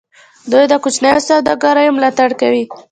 دوی د کوچنیو سوداګریو ملاتړ کوي.